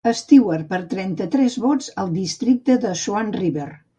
Stewart per trenta-tres vots al districte de Swan River.